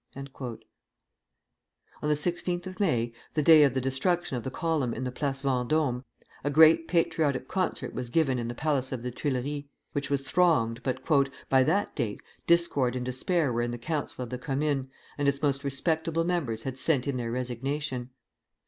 [Footnote 2: Leighton, Paris under the Commune.] On the 16th of May, the day of the destruction of the column in the Place Vendôme, a great patriotic concert was given in the palace of the Tuileries, which was thronged; but "by that date, discord and despair were in the Council of the Commune, and its most respectable members had sent in their resignation.